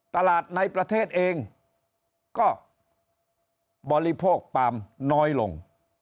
ตลาดในประเทศเองก็บริโภคปาล์มน้อยลง